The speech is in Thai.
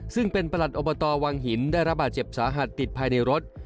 ซึ่งเป็นประหลัดอบตวังหินได้ระบาดเจ็บสาหัสติดภายในรถ